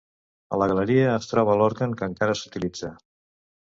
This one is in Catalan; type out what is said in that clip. A la galeria es troba l'òrgan que encara s'utilitza.